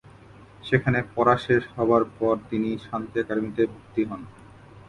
সেখানে পড়া শেষ হবার পর তিনি শান্তি একাডেমিতে ভর্তি হন।